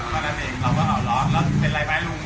เพราะนั้นเองเราก็เอาร้อนแล้วเป็นไรไหมลุง